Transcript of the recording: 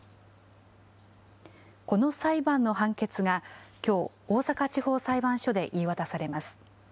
この裁判の判決が、きょう、大阪地方裁判所で言い渡されます。